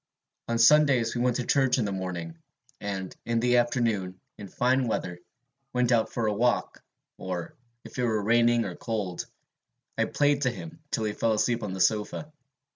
"On Sundays we went to church in the morning, and in the afternoon, in fine weather, went out for a walk; or, if it were raining or cold, I played to him till he fell asleep on the sofa.